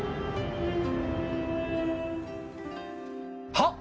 はっ？